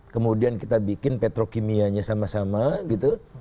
kemudian kita bikin petrokimianya sama sama gitu